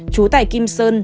chú tại kim sơn